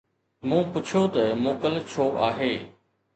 مون پڇيو ته موڪل ڇو آهي